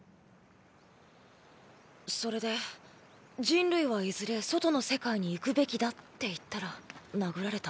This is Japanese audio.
それで人類はいずれ外の世界に行くべきだって言ったら殴られた。